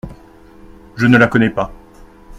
Je ne la connais pas…